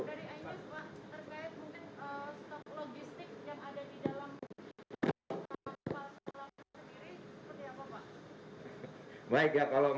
dari ainus pak terkait mungkin stok logistik